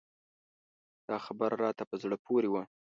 دا خبر راته په زړه پورې و.